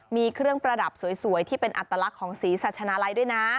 มีเครื่องประดับสวยที่เป็นอัตลักษณ์ของศรีสัชนาลัยด้วยนะ